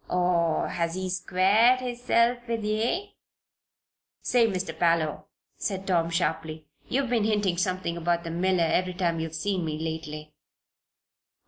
Or has he squared hisself with ye?" "Say, Mister Parloe," said Tom, sharply, "you've been hinting something about the miller every time you've seen me lately.